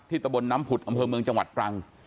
ตะบนน้ำผุดอำเภอเมืองจังหวัดตรัง